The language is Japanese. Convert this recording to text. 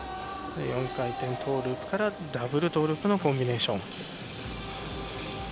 ４回転トーループからダブルトーループのコンビネーション。